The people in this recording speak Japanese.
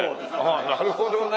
なるほどね。